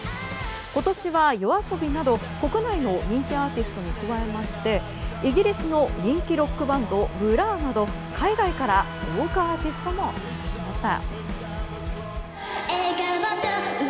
今年はＹＯＡＳＯＢＩなど国内の人気アーティストに加えてイギリスの人気ロックバンドブラーなど海外から豪華アーティストも参加しました。